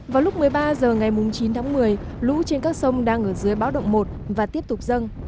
vào lúc một mươi ba h ngày chín tháng một mươi lũ trên các sông đang ở dưới báo động một và tiếp tục dâng